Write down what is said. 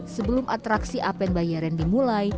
sebelum atraksi apen bayaran dimulai